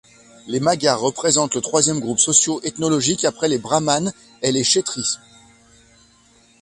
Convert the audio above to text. Les Magar représentent le troisième groupe socio-ethnologique après les Brahmanes et les Chhetris.